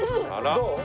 どう？